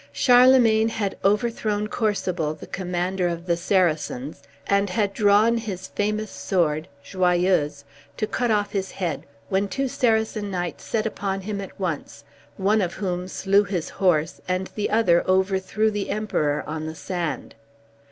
Charlemagne had overthrown Corsuble, the commander of the Saracens, and had drawn his famous sword, Joyeuse, to cut off his head, when two Saracen knights set upon him at once, one of whom slew his horse, and the other overthrew the Emperor on the sand.